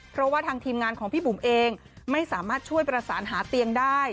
เพราะว่าทางทีมงานของพี่บุ๋มเองไม่สามารถช่วยประสานหาเตียงได้